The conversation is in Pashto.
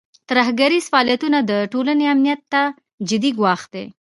ترهګریز فعالیتونه د ټولنې امنیت ته جدي ګواښ دی.